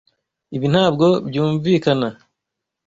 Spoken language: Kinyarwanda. Ibi ntabwo byumvikana.